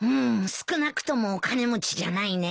少なくともお金持ちじゃないね。